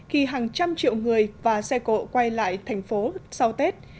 khi hàng trăm triệu người và xe cộ quay lại thành phố sau tết